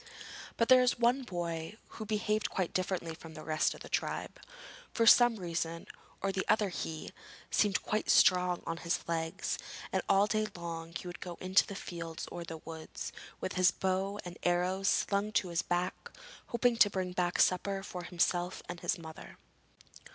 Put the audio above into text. But there was one boy who behaved quite differently from the rest of the tribe. For some reason or other he seemed quite strong on his legs, and all day long he would go into the fields or the woods, with his bow and arrows slung to his back, hoping to bring back a supper for himself and his mother.